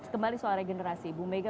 kembali soal regenerasi bu mega